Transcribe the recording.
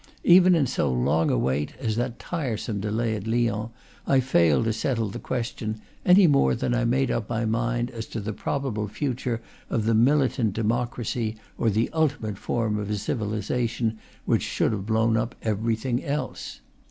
Even in so long await as that tiresome delay at Lyons I failed to settle the question, any more than I made up my mind as to the probable future of the militant democracy, or the ultimate form of a civilization which should have blown up everything else.